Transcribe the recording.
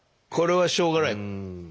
これはしょうがない。